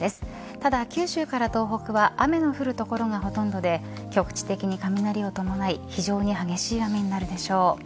ただ九州から東北は雨の降る所がほとんどで局地的に雷を伴い非常に激しい雨になるでしょう。